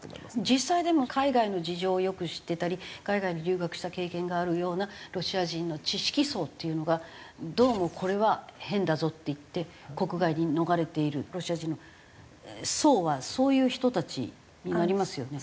実際でも海外の事情をよく知ってたり海外に留学した経験があるようなロシア人の知識層っていうのがどうもこれは変だぞって言って国外に逃れているロシア人の層はそういう人たちになりますよね。